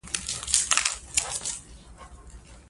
مړی یې د جامع کلیسا کې خاورو ته وسپارل شو.